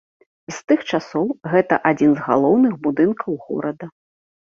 З тых часоў гэта адзін з галоўных будынкаў горада.